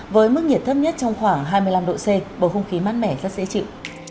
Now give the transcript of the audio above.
với mức nhiệt thấp nhất trong khoảng hai mươi năm độ c bầu không khí mát mẻ rất dễ chịu